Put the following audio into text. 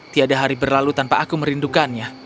tiada hari berlalu tanpa aku merindukannya